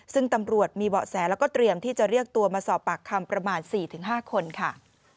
ซึ่งตำรวจมีเบาะแสแล้วก็เตรียมที่จะเรียกตัวมาสอบปากคำประมาณ๔๕คนค่ะ